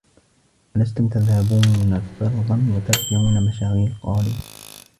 أَلَسْتُمْ تَذْهَبُونَ فَرْغًا وَتَرْجِعُونَ مَشَاغِيلَ ؟ قَالُوا